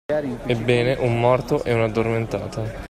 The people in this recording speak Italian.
Ebbene, un morto e un'addormentata.